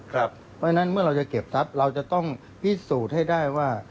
เพราะฉะนั้นเมื่อเราจะเก็บทรัพย์เราจะต้องพิสูจน์ให้ได้ว่า